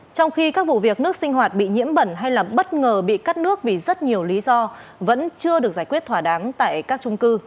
trong khi các vụ việc nước sinh hoạt bị nhiễm bẩn hay bất ngờ bị cắt nước vì rất nhiều lý do vẫn chưa được giải quyết thỏa đáng tại các trung cư